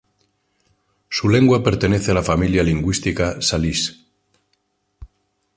Su lengua pertenece a la familia lingüística salish.